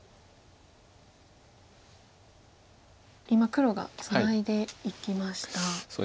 今黒がツナいでいきました。